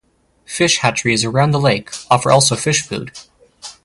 Fish hatcheries around the lake offer also fish food.